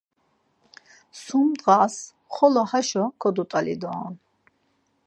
Sum ndğas xolo haşo kodut̆alu doren.